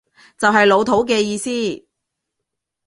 就係老土嘅意思